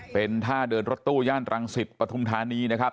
เป็นท่าเดินรถตู้ย่านรังสิตปฐุมธานีนะครับ